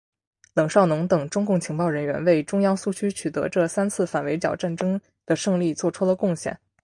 冷少农等中共情报人员为中央苏区取得这三次反围剿战争的胜利作出了贡献。